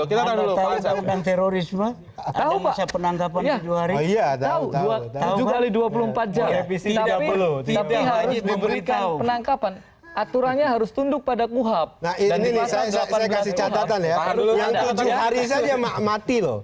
ini mencari keuntungan politik